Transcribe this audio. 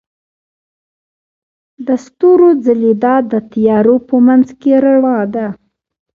د ستورو ځلیدا د تیارو په منځ کې رڼا ده.